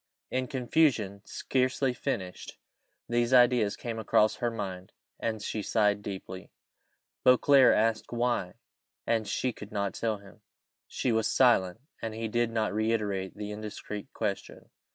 In confusion, scarcely finished, these ideas came across her mind, and she sighed deeply. Beauclerc asked why, and she could not tell him! She was silent; and he did not reiterate the indiscreet question.